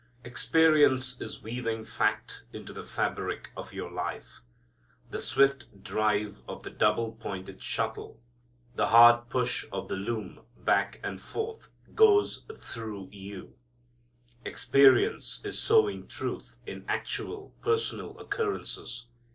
Experience is weaving fact into the fabric of your life. The swift drive of the double pointed shuttle, the hard push of the loom back and forth goes through you. Experience is sowing truth in actual personal occurrences.